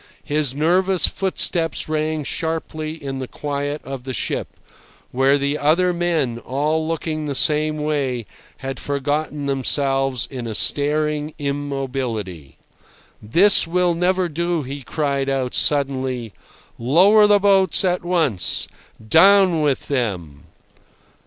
His nervous footsteps rang sharply in the quiet of the ship, where the other men, all looking the same way, had forgotten themselves in a staring immobility. "This will never do!" he cried out suddenly. "Lower the boats at once! Down with them!"